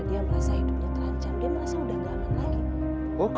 dia merasa sudah enggak aman lagi